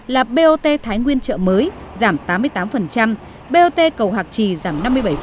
là bot thái nguyên chợ mới giảm tám mươi tám bot cầu hạc trì giảm năm mươi bảy